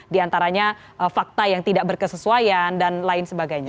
di antaranya fakta yang tidak berkesesuaian dan lain sebagainya